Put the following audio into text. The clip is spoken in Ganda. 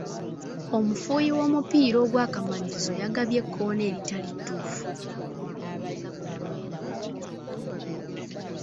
Omufuuyi w'omupiira ogw'akamalirizo yagabye ekkoona eritali ttuufu.